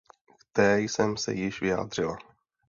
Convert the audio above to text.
K té jsem se již vyjádřila.